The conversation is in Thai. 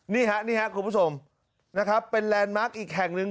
นี่ฮะนี่ฮะคุณผู้ชมเป็นแลนด์มาร์คอีกแห่งหนึ่ง